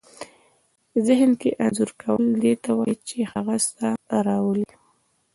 ذهن کې انځور کول دې ته وايي چې هغه څه راولئ.